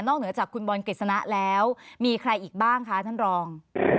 เหนือจากคุณบอลกฤษณะแล้วมีใครอีกบ้างคะท่านรอง